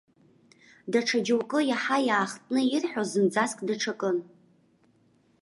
Даҽа џьоукы, иаҳа иаахтны, ирҳәо зынӡаск даҽакын.